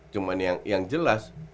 cuma yang jelas